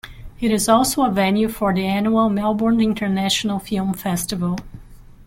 It is also a venue for the annual Melbourne International Film Festival.